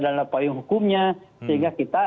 dalam payung hukumnya sehingga kita